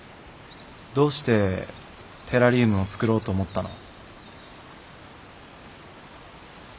どうしてテラリウムを作ろうと思ったの？